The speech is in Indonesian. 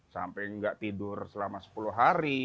sampai nggak tidur selama sepuluh hari